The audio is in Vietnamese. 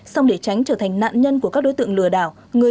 xong để tránh trở thành nạn nhân của các đối tượng lừa đảo